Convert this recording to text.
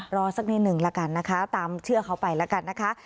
สักนิดหนึ่งละกันนะคะตามเชื่อเขาไปแล้วกันนะคะ